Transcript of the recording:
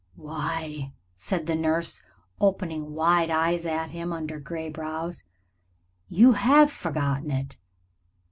"Why," said the nurse, opening wide eyes at him under gray brows, "you have forgotten it.